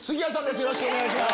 よろしくお願いします。